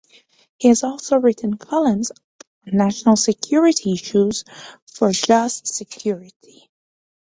He has also written columns on national security issues for "Just Security".